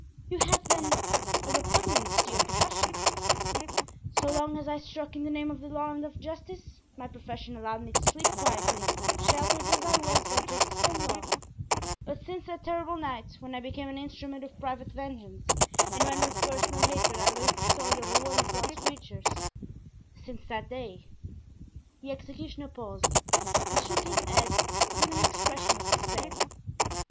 "You have, then, a repugnance to your profession?" "So long as I struck in the name of the law and of justice my profession allowed me to sleep quietly, sheltered as I was by justice and law; but since that terrible night when I became an instrument of private vengeance and when with personal hatred I raised the sword over one of God's creatures—since that day——" The executioner paused and shook his head with an expression of despair.